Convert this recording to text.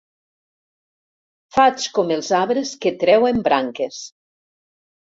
Faig com els arbres que treuen branques.